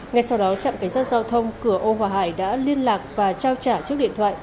ngay sau đó trạm cảnh sát giao thông cửa âu hòa hải đã liên lạc và trao trả chiếc điện thoại